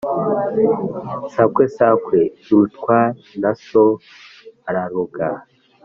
Sakwe sakwe irutwa na so araroga.